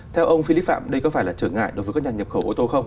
theo ông philip phạm đây có phải là trở ngại đối với các nhà nhập khẩu ô tô không